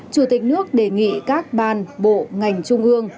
chủ tịch nước đề nghị các ban bộ ngành trung ương